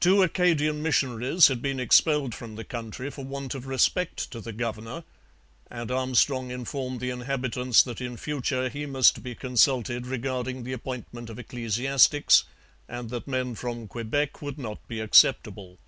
Two Acadian missionaries had been expelled from the country for want of respect to the governor; and Armstrong informed the inhabitants that in future he must be consulted regarding the appointment of ecclesiastics, and that men from Quebec would not be acceptable.